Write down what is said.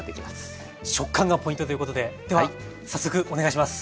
食感がポイントということででは早速お願いします。